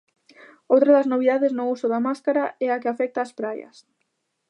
Outra das novidades no uso da máscara é a que afecta ás praias.